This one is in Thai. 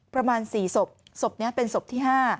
ประมาณ๔ศพศพนี้เป็นศพที่๕